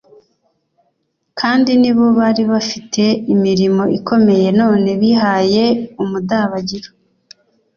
kandi ni bo bari bafite imirimo ikomeye none bihaye umudabagiro